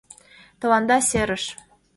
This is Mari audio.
— Тыланда серыш.